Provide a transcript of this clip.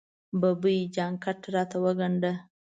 ببۍ! جاکټ راته وګنډه.